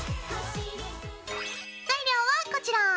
材料はこちら。